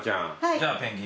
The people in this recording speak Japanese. じゃペンギン。